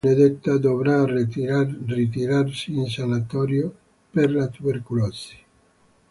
Suor Benedetta dovrà ritirarsi in sanatorio per la tubercolosi.